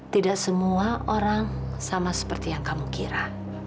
tidak semua orang sama seperti yang kamu kira